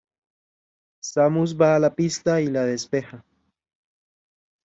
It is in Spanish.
Samus va a la pista y la despeja.